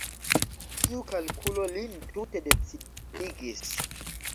Tiu kalkulo lin tute decidigis.